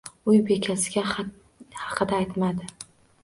Uy bekasiga xat haqida aytmadim.